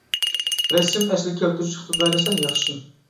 رەسىم ئەسلىگە كەلتۈرۈش ئىقتىدارى سەل ياخشى.